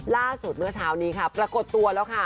เมื่อเช้านี้ค่ะปรากฏตัวแล้วค่ะ